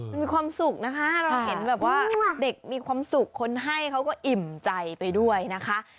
มันมีความสุขนะคะเราเห็นแบบว่าเด็กมีความสุขคนให้เขาก็อิ่มใจไปด้วยนะคะ